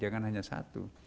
jangan hanya satu